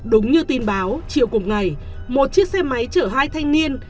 đúng như tin báo chiều cùng ngày một chiếc xe máy chở hai thanh niên